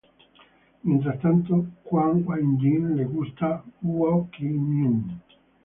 Mientras tanto, Kwak Eun Jin le gusta Woo Ki Myung.